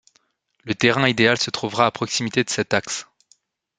Le terrain idéal se trouvera à proximité de cet axe.